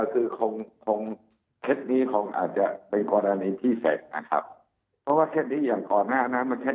ครั้งนี้อาจจะเป็นกรณีที่เฝ็ด